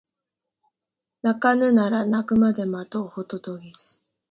鳴かぬなら鳴くまで待とうホトトギス